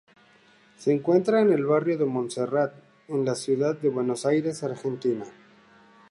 Se encuentra en el barrio de Monserrat, en la ciudad de Buenos Aires, Argentina.